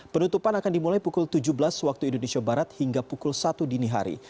penutupan akan dimulai pukul tujuh belas waktu indonesia barat hingga pukul satu dini hari